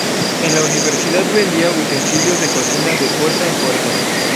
En la universidad vendió utensilios de cocina de puerta en puerta.